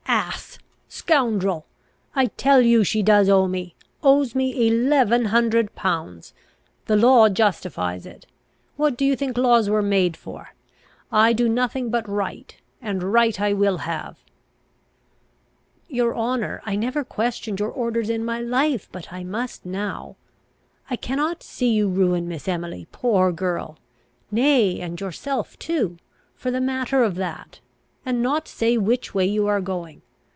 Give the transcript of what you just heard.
"Ass! Scoundrel! I tell you she does owe me, owes me eleven hundred pounds. The law justifies it. What do you think laws were made for? I do nothing but right, and right I will have." "Your honour, I never questioned your orders in my life; but I must now. I cannot see you ruin Miss Emily, poor girl! nay, and yourself too, for the matter of that, and not say which way you are going.